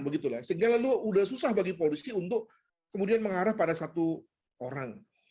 sehingga lalu sudah susah bagi polisi untuk kemudian mengarah pada satu orang